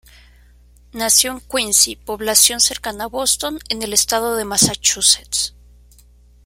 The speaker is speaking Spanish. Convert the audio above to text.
Nació en Quincy, población cercana a Boston, en el estado de Massachusetts.